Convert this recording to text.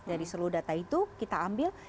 dari seluruh data itu kita ambil